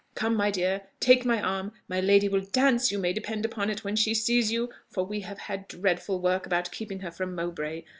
Come, my dear, take my arm: my lady will dance, you may depend upon it, when she sees you, for we have had dreadful work about keeping her from Mowbray!